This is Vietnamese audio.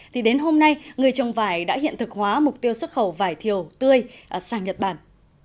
thì đến hôm nay người trồng vải đã hiện thực hóa mục tiêu xuất khẩu vải thiều tươi sang nhật bản